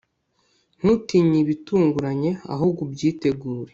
ntutinye ibitunguranye, ahubwo ubyitegure